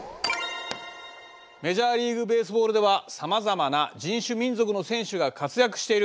「メジャーリーグベースボールではさまざまな人種・民族の選手が活躍している。